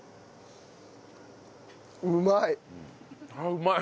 うまい！